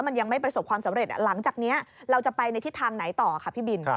ใช่ครับเพราะว่า